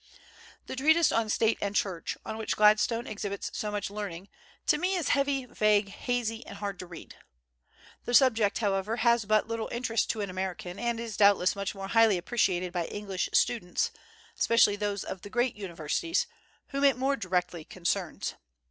The treatise on State and Church, on which Gladstone exhibits so much learning, to me is heavy, vague, hazy, and hard to read. The subject, however, has but little interest to an American, and is doubtless much more highly appreciated by English students, especially those of the great universities, whom it more directly concerns.